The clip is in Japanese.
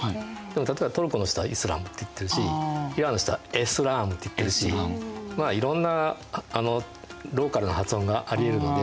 でも例えばトルコの人は「イスラム」って言ってるしイランの人は「エスラーム」って言ってるしまあいろんなローカルな発音がありえるので。